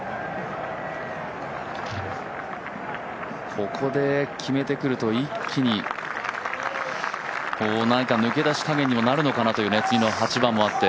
ここで決めてくると一気に抜き出すこともあるのかなと次の８番もあって。